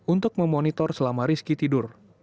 untuk memonitor selama rizky tidur